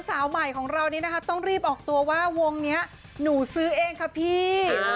สาวใหม่ของเรานี้นะคะต้องรีบออกตัวว่าวงนี้หนูซื้อเองค่ะพี่